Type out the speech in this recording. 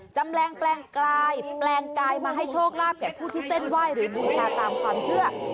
จำแรงแปลงกลายแปลงกายมาให้โชคลาภแก่ผู้ที่เส้นไหว้หรือบูชาตามความเชื่อ